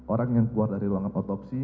orang yang keluar dari ruangan otopsi